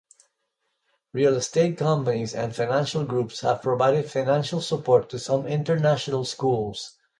Real estate companies and financial groups have provided financial support to some international schools.